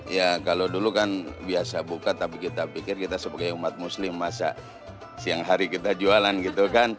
ya kalau dulu kan biasa buka tapi kita pikir kita sebagai umat muslim masa siang hari kita jualan gitu kan